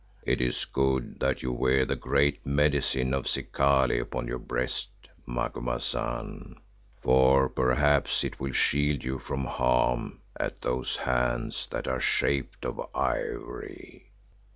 It is good that you wear the Great Medicine of Zikali upon your breast, Macumazahn, for perhaps it will shield you from harm at those hands that are shaped of ivory."